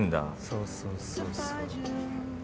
そうそうそうそう。